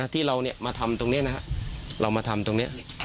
ที่เรามาทำตรงนี้นะครับเรามาทำตรงนี้